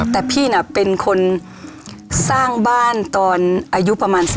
แต่พี่น่ะเป็นคนสร้างบ้านตอนอายุประมาณ๔๐